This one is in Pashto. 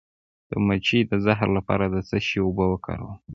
د مچۍ د زهر لپاره د څه شي اوبه وکاروم؟